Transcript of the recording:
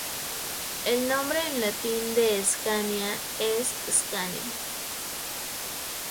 El nombre en latín de Escania es "Scania".